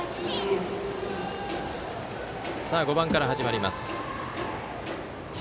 ５番から始まります。